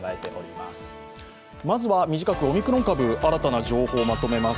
まずは、短くオミクロン株、新たな情報をまとめます。